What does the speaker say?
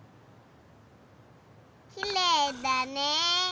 きれいだね。